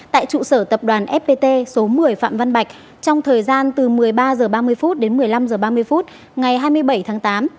tại trụ sở tập đoàn fpt số một mươi phạm văn bạch trong thời gian từ một mươi ba h ba mươi đến một mươi năm h ba mươi phút ngày hai mươi bảy tháng tám